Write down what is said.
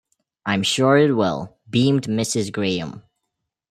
"I'm sure it will," beamed Mrs. Graham.